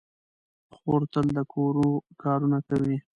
خور تل د کور کارونه کوي.